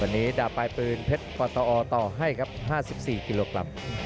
วันนี้ดาบปลายปืนเพชรปตอต่อให้ครับ๕๔กิโลกรัม